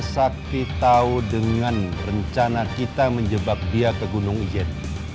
sakti tahu dengan rencana kita menjebak dia ke gunung ijen